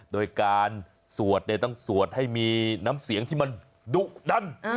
โดยการสวดต้องสวดให้มีน้ำเสียงที่มันดุดัน